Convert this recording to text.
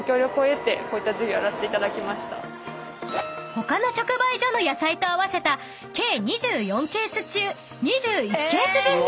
［他の直売所の野菜と合わせた計２４ケース中］